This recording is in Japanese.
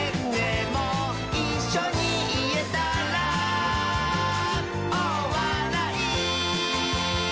「いっしょにいえたら」「おおわらい」